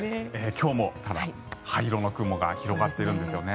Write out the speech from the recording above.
今日もただ、灰色の雲が広がっているんですよね。